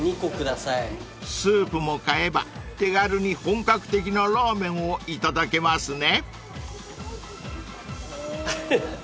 ［スープも買えば手軽に本格的なラーメンをいただけますね］